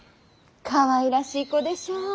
かわいらしい子でしょう。